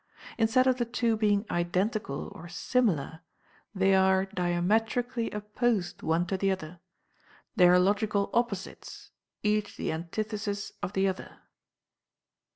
Instead of the two being identical or similar, they are diametrically opposed one to the other they are logical "opposites," each the antithesis of the other.